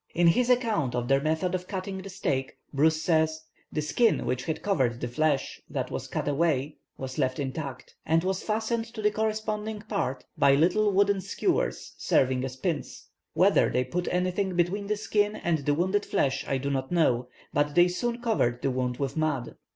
In his account of their method of cutting the steak Bruce says, "The skin which had covered the flesh that was cut away was left intact, and was fastened to the corresponding part by little wooden skewers serving as pins. Whether they put anything between the skin and the wounded flesh I do not know, but they soon covered the wound with mud.